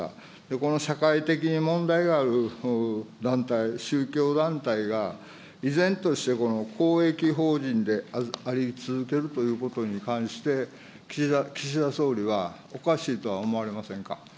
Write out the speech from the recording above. この社会的に問題がある団体、宗教団体が、依然として公益法人であり続けるということに関して、岸田総理はおかしいとは思われませんか。